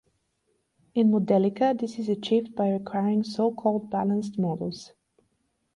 In Modelica, this is achieved by requiring so called balanced models.